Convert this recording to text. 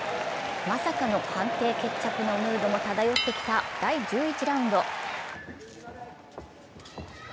まさかの判定決着のムードも漂ってきた第１１ラウンド。